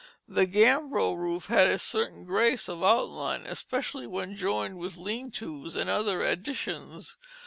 The gambrel roof had a certain grace of outline, especially when joined with lean tos and other additions.